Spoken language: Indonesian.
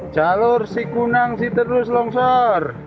jalur si kunang si terus longsor